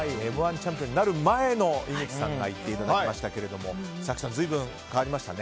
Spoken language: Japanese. チャンピオンになる前の井口さんに行っていただきましたが早紀さん、随分変わりましたね。